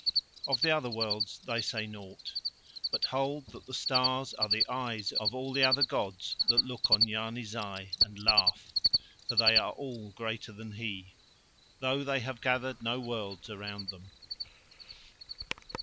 Of the other worlds they say nought, but hold that the stars are the eyes of all the other gods that look on Yarni Zai and laugh, for they are all greater than he, though they have gathered no worlds around them.